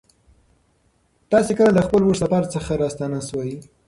تاسې کله له خپل اوږد سفر څخه راستانه سوئ؟